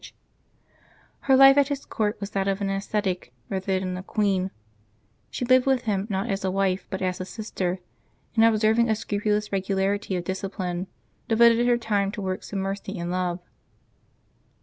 June 24] LIVES OF TEE SAINTS 227 Her life at his court was that of an ascetic rather than a queen: she lived with him not as a wife, but as a sister, and, observing a scrupulous regularity of discipline, devoted her time to works of mercy and love.